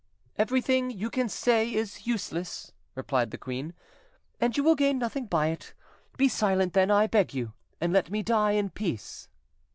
"Everything you can say is useless," replied the queen, "and you will gain nothing by it; be silent, then, I beg you, and let me die in peace."